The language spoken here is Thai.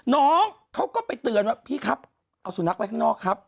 น้องเขาก็ไปเตือนว่าพี่ครับเอาสุนัขไว้ข้างนอกครับ